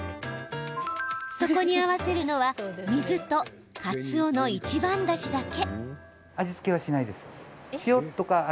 そこに合わせるのは、水とかつおの一番だしだけ。